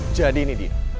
jadi ini dia